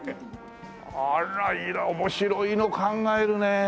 あら面白いの考えるね。